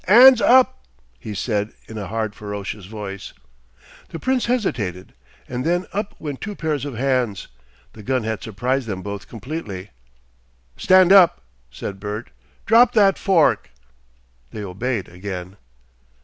"'Ands up!" he said in a hard, ferocious voice. The Prince hesitated, and then up went two pairs of hands. The gun had surprised them both completely. "Stand up," said Bert.... "Drop that fork!" They obeyed again.